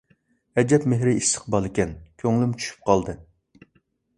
ئەجەب مېھرى ئىسسىق بالىكەن، كۆڭلۈم چۈشۈپ قالدى.